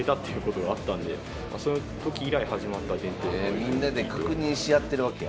みんなで確認し合ってるわけや。